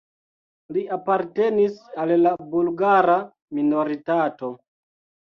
Li apartenis al la bulgara minoritato.